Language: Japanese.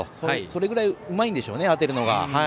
それぐらい、うまいんでしょうね当てるのが。